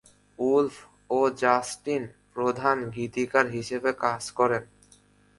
Wolf ও Justin প্রধান গীতিকার হিসেবে কাজ করেন।